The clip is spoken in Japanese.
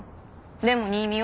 でも新見は。